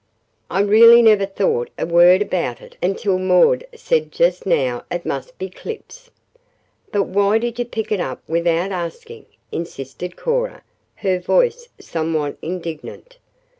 "I really never thought a word about it until Maud said just now it must be Clip's." "But why did you pick it up without asking?" insisted Cora, her voice somewhat indignant.